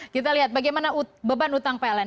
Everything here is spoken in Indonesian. kita lihat bagaimana beban utang pln